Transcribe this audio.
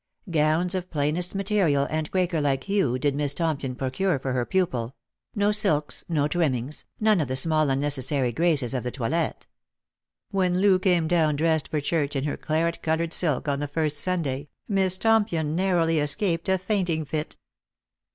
Gowns of plainest material and Quaker like hue did Miss Tompion procure for her pupil — no silks, no trimmings, none of the small unnecessary graces of the toilet. When Loo came down dressed for church in her claret coloured silk on the first Sunday, Miss Tompion narrowly escaped a fainting fit.